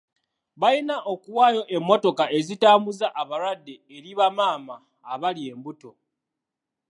Balina okuwaayo emmotoka ezitambuza abalwadde eri bamaama abali embuto.